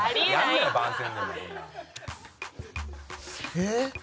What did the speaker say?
「えっ？」